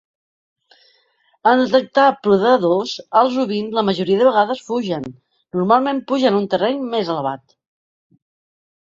En detectar predadors, els ovins la majoria de vegades fugen; normalment pugen a un terreny més elevat.